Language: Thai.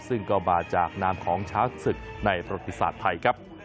ซึ่งก็มาจากนามของช้างศึกในประติศาสตร์ไทยครับ